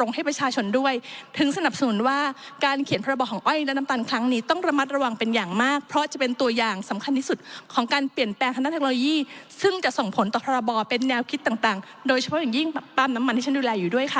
แนวคิดต่างต่างโดยเฉพาะอย่างยิ่งปั้มน้ำมันที่ฉันดูแลอยู่ด้วยค่ะ